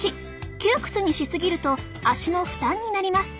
窮屈にし過ぎると足の負担になります。